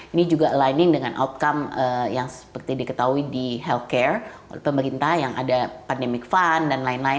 ini juga lining dengan outcome yang seperti diketahui di healthcare oleh pemerintah yang ada pandemic fund dan lain lain